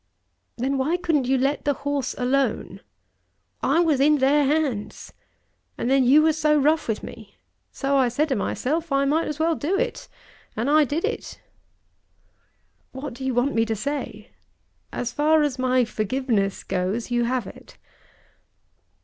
"Then why couldn't you let the horse alone?" "I was in their hands. And then you was so rough with me! So I said to myself I might as well do it; and I did it." "What do you want me to say? As far as my forgiveness goes, you have it!"